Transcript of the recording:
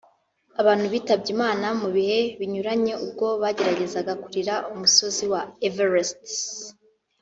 abantu bitabye Imana mu bihe binyuranye ubwo bageragezaga kurira umusozi wa Everest